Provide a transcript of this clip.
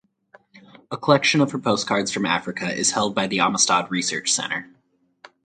A collection of her postcards from Africa is held by the Amistad Research Center.